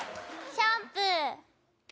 シャンプー。